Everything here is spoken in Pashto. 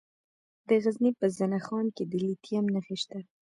د غزني په زنه خان کې د لیتیم نښې شته.